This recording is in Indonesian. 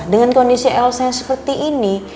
dengan kondisi elsa seperti ini